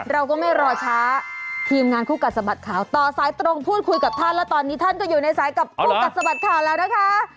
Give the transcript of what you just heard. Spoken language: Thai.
เราก็ไม่รอช้าทีมงานคู่กัดสะบัดข่าวต่อสายตรงพูดคุยกับท่านแล้วตอนนี้ท่านก็อยู่ในสายกับคู่กัดสะบัดข่าวแล้วนะคะ